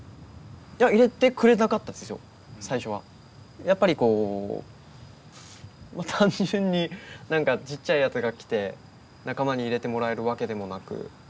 やっぱりこう単純になんかちっちゃいやつが来て仲間に入れてもらえるわけでもなく。